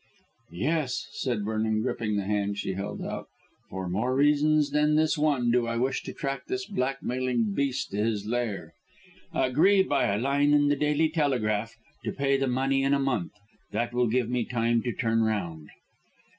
"Yes," said Vernon, gripping the hand she held out; "for more reasons than this one do I wish to track this blackmailing beast to his lair. Agree, by a line in the Daily Telegraph, to pay the money in a month. That will give me time to turn round."